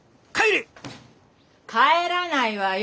帰らないわよ